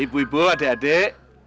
ibu ibu adik adik